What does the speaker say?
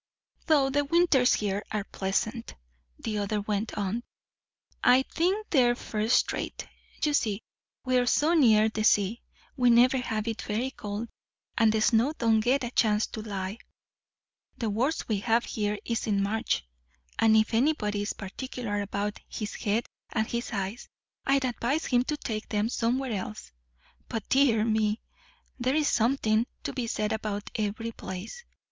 "Though the winters here are pleasant," the other went on. "I think they're first rate. You see, we're so near the sea, we never have it very cold; and the snow don't get a chance to lie. The worst we have here is in March; and if anybody is particular about his head and his eyes, I'd advise him to take 'em somewheres else; but, dear me! there's somethin' to be said about every place.